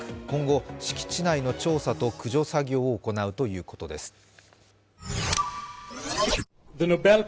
今後、敷地内の調査と駆除作業を行うということです。